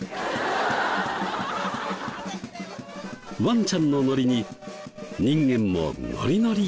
ワンちゃんのノリに人間もノリノリ。